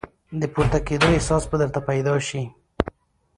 د پورته کېدو احساس به درته پیدا شي !